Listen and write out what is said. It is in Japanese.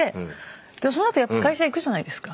でもそのあとやっぱ会社行くじゃないですか。